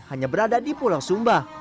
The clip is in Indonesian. hanya berada di pulau sumba